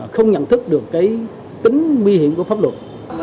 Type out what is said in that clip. không nhận thức được tính nguy hiểm của pháp luật